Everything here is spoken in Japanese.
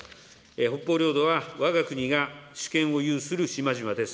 北方領土はわが国が主権を有する島々です。